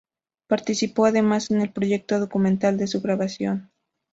Participó, además, en el proyecto documental de su grabación.